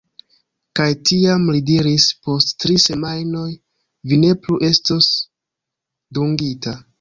Kaj tiam li diris "Post tri semajnoj, vi ne plu estos dungita."